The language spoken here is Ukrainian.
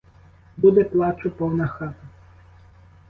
Буде плачу повна хата.